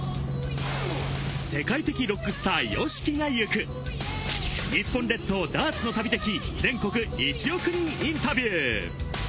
世界的ロックスター・ＹＯＳＨＩＫＩがゆく、日本列島ダーツの旅的全国１億人インタビュー。